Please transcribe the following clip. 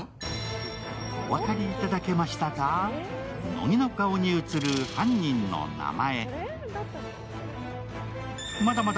乃木の顔に映る犯人の名前。